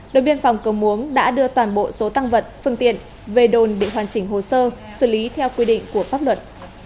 đội biên phòng cầu muống đã đưa toàn bộ số tăng vật phương tiện về đồn để hoàn chỉnh hồ sơ xử lý theo quy định của pháp luật